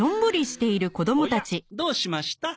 おや？どうしました？